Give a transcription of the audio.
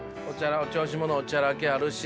お調子者おちゃらけあるし。